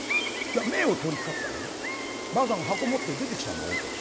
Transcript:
前を通りかかったらねばあさんが箱持って出てきたんだ表へ。